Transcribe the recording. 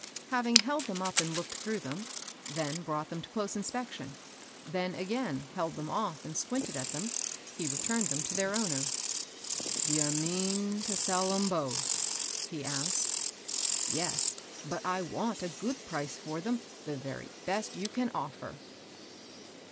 Having held them up and looked through them; then brought them to close investigation, then again held them off and squinted at them, he returned them to their owner. D'ye mean t'sell 'em both ?" he asked. " Yes. But I want a good price for them — the very best you can offer."